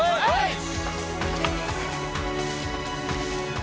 はい！